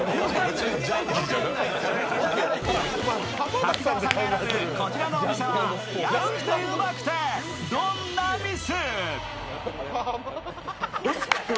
滝沢さんが選ぶこちらのお店は安くてウマくてどんな店？